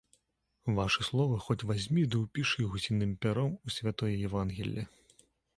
Вашы словы хоць вазьмі ды ўпішы гусіным пяром у святое евангелле.